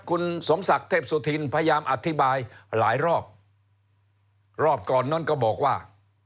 คุณสมศักดิ์เทพสุธินพยายามอธิบายหลายรอบรอบก่อนนั้นก็บอกว่า